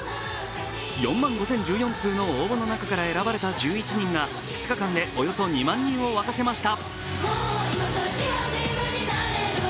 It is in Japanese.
４万５０１４通の応募の中から選ばれた１１人が２日間で、およそ２万人を沸かせました。